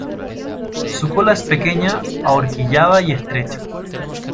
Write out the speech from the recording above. Su cola es pequeña, ahorquillada y estrecha.